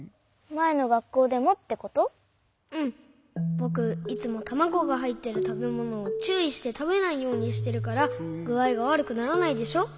ぼくいつもたまごがはいってるたべものをちゅういしてたべないようにしてるからぐあいがわるくならないでしょ？